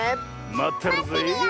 まってるよ！